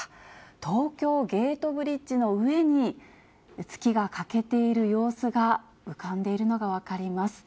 東京ゲートブリッジの上に、月が欠けている様子が浮かんでいるのが分かります。